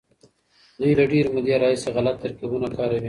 دوی له ډېرې مودې راهيسې غلط ترکيبونه کاروي.